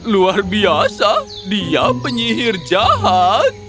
luar biasa dia penyihir jahat